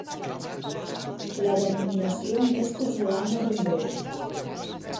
La denominació més casolana d'un gos.